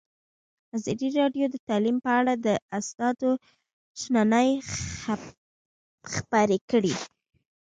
ازادي راډیو د تعلیم په اړه د استادانو شننې خپرې کړي.